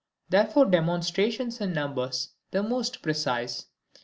Therefore Demonstrations in Numbers the most precise.